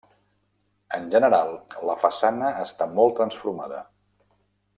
En general la façana està molt transformada.